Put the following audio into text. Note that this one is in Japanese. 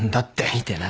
見てない。